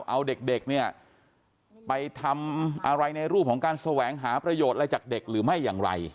เอาเด็กเนี่ยไปทำอะไรในรูปของการแสวงหาประโยชน์อะไรจากเด็กหรือไม่อย่างไร